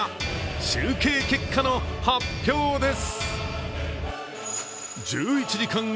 集計結果の発表です。